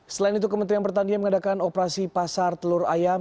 selain itu kementerian pertanian mengadakan operasi pasar telur ayam